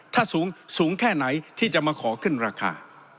ถ้าสูงแค่ไหนที่จะมาขอขึ้นราคา